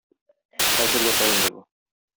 Хәзер ята инде бу.